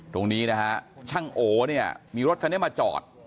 ตรงนี้นะฮะช่างโอเนี่ยมีรถคันนี้มาจอด